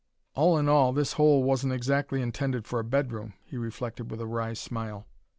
"All in all, this hole wasn't exactly intended for a bedroom!" he reflected with a wry smile.